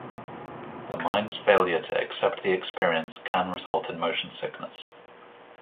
The mind's failure to accept the experience can result in motion sickness.